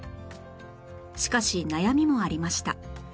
しかし悩みもありました